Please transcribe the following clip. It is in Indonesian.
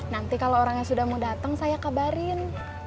nanti kalau orangnya sudah mau datang saya kabarin